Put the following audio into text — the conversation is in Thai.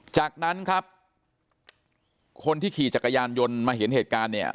จากนั้นครับคนที่ขี่จักรยานยนต์มาเห็นเหตุการณ์เนี่ย